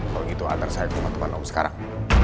kalau gitu antar saya ke rumah teman om sekarang